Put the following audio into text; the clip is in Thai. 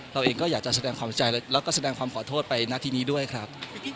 เราเองก็อยากจะแสดงความเสียใจแล้วก็แสดงความขอโทษไปณทีนี้ด้วยครับ